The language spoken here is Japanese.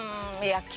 焼き！